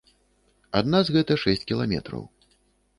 Ад нас гэта шэсць кіламетраў.